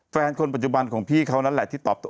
แฟนคนปัจจุบันของพี่เขานั่นแหละที่ตอบตัว